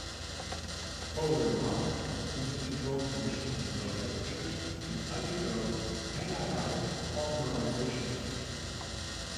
Polar monomers, using controlled conditions and low temperatures, can undergo anionic polymerization.